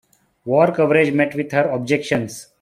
War coverage met with her objections.